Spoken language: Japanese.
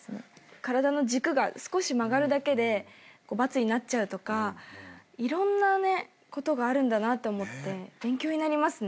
体の軸が少し曲がるだけでバツになっちゃうとかいろんなことがあるんだなって思って勉強になりますね。